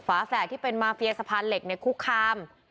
ฝาแฝดที่เป็นมาเฟียสะพานเหล็กคุกคาม